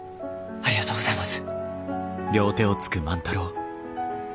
ありがとうございます！